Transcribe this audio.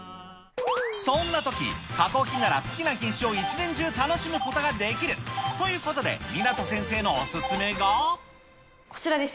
そんなとき、加工品なら好きな品種を１年中楽しむことができるということで、こちらです。